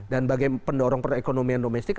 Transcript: dan bagai pendorong perekonomian domestik